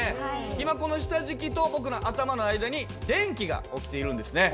今この下敷きと僕の頭の間に電気が起きているんですね。